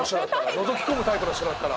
のぞき込むタイプの人だったら。